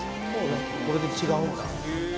これで違うんだ。